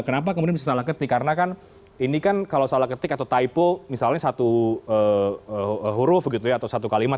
kenapa kemudian bisa salah ketik karena kan ini kan kalau salah ketik atau typo misalnya satu huruf gitu ya atau satu kalimat